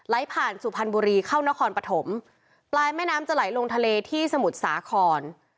ผ่านสุพรรณบุรีเข้านครปฐมปลายแม่น้ำจะไหลลงทะเลที่สมุทรสาคร